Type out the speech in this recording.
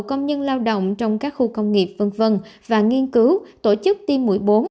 công nhân lao động trong các khu công nghiệp v v và nghiên cứu tổ chức tiêm mũi bốn